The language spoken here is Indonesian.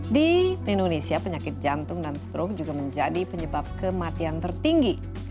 di indonesia penyakit jantung dan stroke juga menjadi penyebab kematian tertinggi